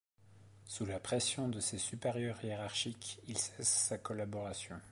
Sous la pression de ses supérieurs hiérarchiques, il cesse sa collaboration.